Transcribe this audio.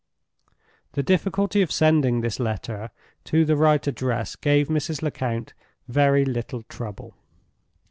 The difficulty of sending this letter to the right address gave Mrs. Lecount very little trouble.